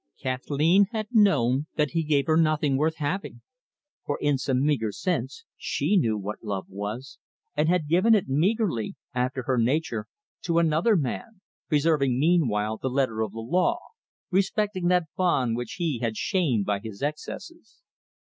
Kathleen had known that he gave her nothing worth the having; for in some meagre sense she knew what love was, and had given it meagrely, after her nature, to another man, preserving meanwhile the letter of the law, respecting that bond which he had shamed by his excesses.